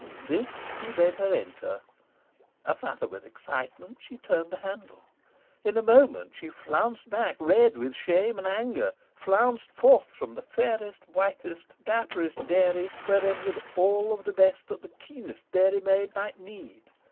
This he bade her enter. A flutter with excitement, she turned the handle. In a moment she flounced back, red with shame and anger flounced forth from the fairest, whitest, dapperest dairy, wherein was all of the best that the keenest dairy maid might need.